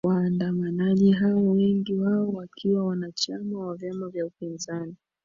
waandamanaji hao wengi wao wakiwa wanachama wa vyama vya upinzani